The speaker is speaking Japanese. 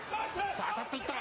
さあ、当たっていった。